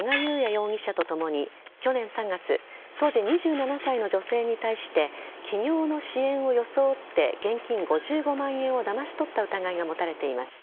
容疑者とともに去年３月当時２７歳の女性に対して起業の支援を装って現金５５万円をだまし取った疑いが持たれています。